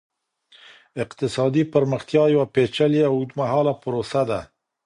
اقتصادي پرمختيا يوه پېچلې او اوږدمهاله پروسه ده.